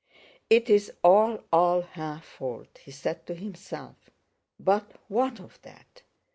"It is all, all her fault," he said to himself; "but what of that?